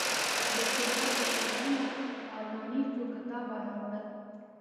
د اکتوبر پر څلورمه ارماني څو کتابه راوړل.